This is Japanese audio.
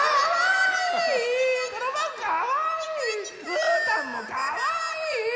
うーたんもかわいい！